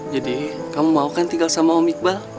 jadi kamu mau kan tinggal sama om iqbal